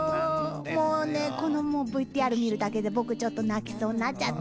もうねこのＶＴＲ見るだけで僕ちょっと泣きそうになっちゃった。